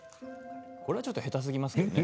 これはちょっと下手すぎません？